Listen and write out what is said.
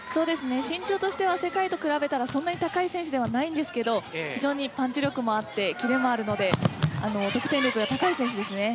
身長としては世界と比べたらそんなに高い選手ではないんですが非常にパンチ力もあって切れもあるので得点力が高い選手ですね。